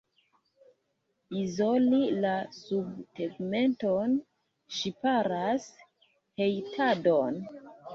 Izoli la subtegmenton ŝparas hejtadon.